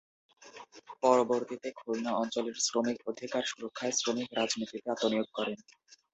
পরবর্তীতে খুলনা অঞ্চলের শ্রমিক অধিকার সুরক্ষায় শ্রমিক রাজনীতিতে আত্মনিয়োগ করেন।